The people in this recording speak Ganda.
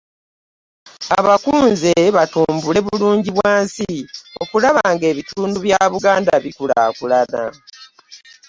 Abakunze batumbule bulungibwansi okulaba ng'ebundu bya Buganda bikulaakulana